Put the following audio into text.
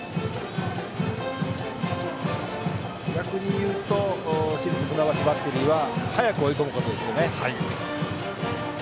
逆に言うと市立船橋バッテリーは早く追い込むことですね。